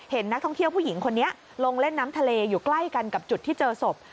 เห็นนักท่องเที่ยวผู้หญิงคนนี้ลงเล่นน้ำทะเลอยู่ใกล้กันกับจุดที่เจอศพ